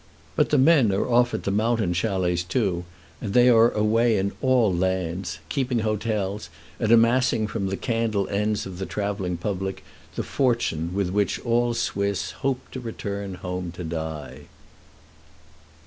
But the men are off at the mountain chalets too, and they are away in all lands, keeping hotels, and amassing from the candle ends of the travelling public the fortune with which all Swiss hope to return home to die.